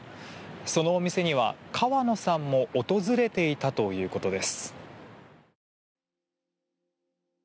そのお店には川野さんも訪れていたということです。